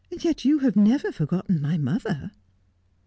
Yet you have never forgotten my mother.'